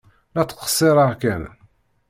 La ttqeṣṣiṛeɣ kan.